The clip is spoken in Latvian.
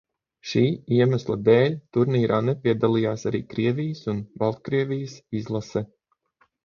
Šī iemesla dēļ turnīrā nepiedalījās arī Krievijas un Baltkrievijas izlase.